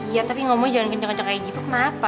iya tapi ngomongnya jangan kenceng kenceng kayak gitu kenapa